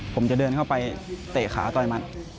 ผมจะเดินเข้าไปเตะขาต่อยมัน